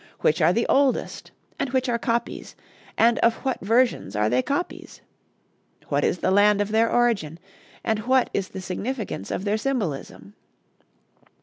Which are the oldest, and which are copies, and of what versions are they copies? What is the land of their origin, and what is the significance of their symbolism?